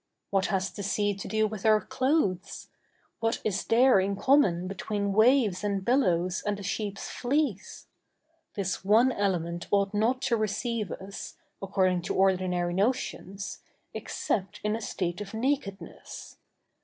What has the sea to do with our clothes? What is there in common between waves and billows and a sheep's fleece? This one element ought not to receive us, according to ordinary notions, except in a state of nakedness.